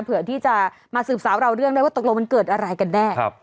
เพื่อที่จะมาสืบสาวเราเรื่องได้ว่าตกลงมันเกิดอะไรกันแน่